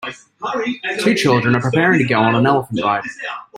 Two children are preparing to go on an elephant ride.